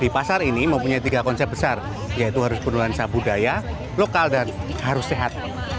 pasar ini mempunyai tiga konsep besar yaitu harus bernuansa budaya lokal dan harus sehat